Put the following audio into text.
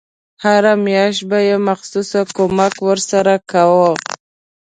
هره میاشت به یې مخصوص کمک ورسره کاوه.